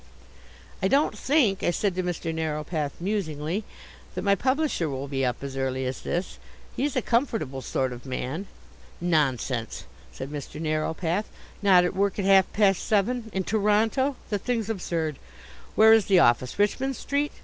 "I don't think," I said to Mr. Narrowpath musingly, "that my publisher will be up as early as this. He's a comfortable sort of man." "Nonsense!" said Mr. Narrowpath. "Not at work at half past seven! In Toronto! The thing's absurd. Where is the office? Richmond Street?